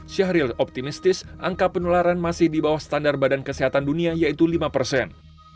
syahril optimistis angka penularan masih di bawah standar badan kesehatan dunia yaitu lima persen